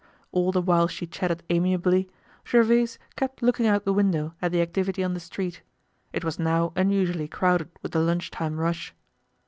All the while she chatted amiably, Gervaise kept looking out the window at the activity on the street. It was now unusually crowded with the lunch time rush.